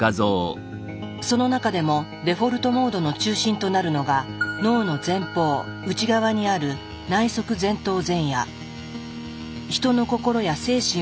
その中でも「デフォルト・モード」の中心となるのが脳の前方内側にある内側前頭前野。